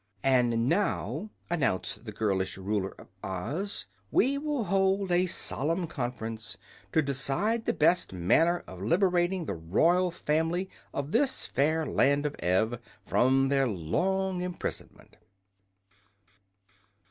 "And now," announced the girlish Ruler of Oz, "we will hold a solemn conference to decide the best manner of liberating the royal family of this fair Land of Ev from their long imprisonment."